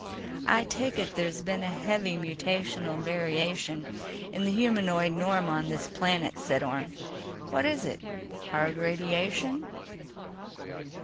"I take it there's been a heavy mutational variation in the humanoid norm on this planet," said Orne. "What is it? Hard radiation?"